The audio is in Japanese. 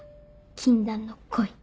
禁断の恋。